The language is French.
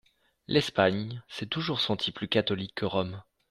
L'Espagne s'est toujours sentie plus catholique que Rome.